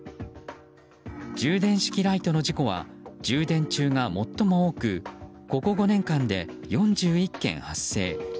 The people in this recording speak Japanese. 充電式ライトの事故は充電中が最も多くここ５年間で４１件発生。